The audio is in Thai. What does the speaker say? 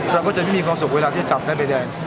เราก็จะไม่มีความสุขเวลาที่จะจับได้ใบแดง